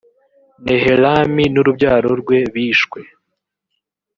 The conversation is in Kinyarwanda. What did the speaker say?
nehelami n ‘urubyaro rwe bishwe.